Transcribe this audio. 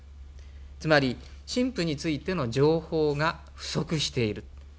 つまり新婦についての情報が不足している。